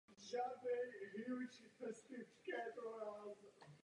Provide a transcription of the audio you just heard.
Dechové nástroje charakterizují jednotlivé postavy a náladu.